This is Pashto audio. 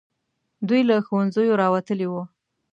دوی له ښوونځیو راوتلي وو.